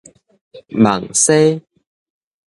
網紗